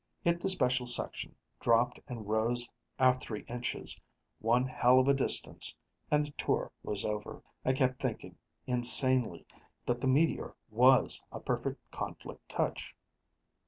Hit the special section, dropped and rose our three inches one hell of a distance and the tour was over. I kept thinking, insanely, that the meteor was a perfect conflict touch.